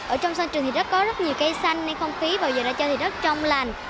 ở trong sân trường thì có rất nhiều cây xanh nên không khí vào giờ ra chơi thì rất trong lành